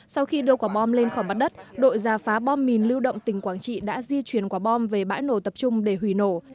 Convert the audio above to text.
sau khi đưa quả bom lên khỏi mặt đất đội giả phá bom mìn lưu động tỉnh quảng trị đã di chuyển quả bom về bãi nổ tập trung để hủy nổ